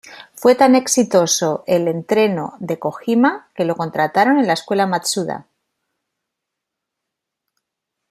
Fue tan exitoso el entreno de Kojima, que lo contrataron en la escuela "Matsuda".